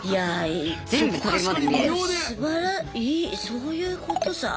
そういうことさ。